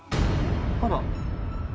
あら？